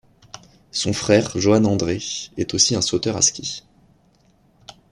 Son frère Johann André est aussi un sauteur à ski.